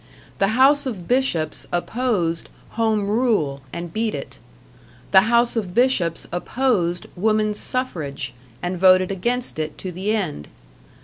The House of Bishops opposed Home Rule, and beat it; The House of Bishops opposed Womans' Suffrage, and voted against it to the end.